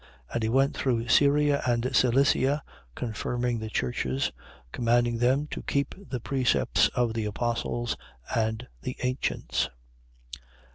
15:41. And he went through Syria and Cilicia, confirming the churches, commanding them to keep the precepts of the apostles and the ancients.